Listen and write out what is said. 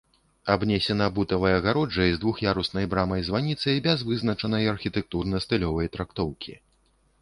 Абнесена бутавай агароджай з двух'яруснай брамай-званіцай без вызначанай архітэктурна-стылёвай трактоўкі.